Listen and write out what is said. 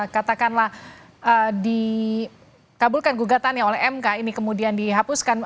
katakanlah dikabulkan gugatannya oleh mk ini kemudian dihapuskan